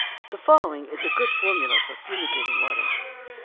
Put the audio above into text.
The following is a good formula for fumigating water.